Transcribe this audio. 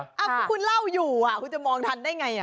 ถ้าคุณเล่าอยู่คุณจะมองทันได้ไง